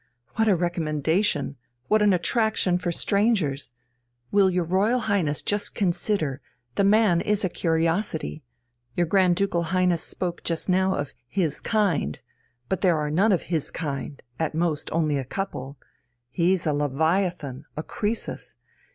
What a recommendation, what an attraction for strangers! Will your Royal Highness just consider the man is a curiosity! Your Grand Ducal Highness spoke just now of 'his kind' but there are none of 'his kind' at most, only a couple. He's a Leviathan, a Croesus!